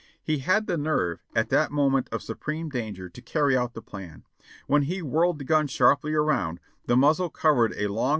He had the nerve, in that mo ment of supreme danger, to carry out the plan. When he PRIVATE Lambert's shot 575 whirled the gun sharply around, the muzzle covered a long.